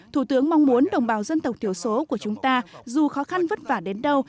thủ tướng mong muốn đồng bào dân tộc thiểu số của chúng ta dù khó khăn vất vả đến đâu